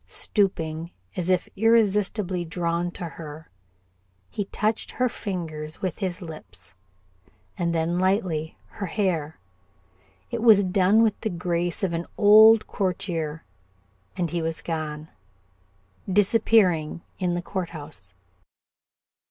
Stooping, as if irresistibly drawn to her, he touched her fingers with his lips, and then lightly her hair. It was done with the grace of an old courtier, and he was gone, disappearing in the courthouse.